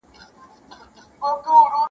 کبابیږي به زړګی د دښمنانو -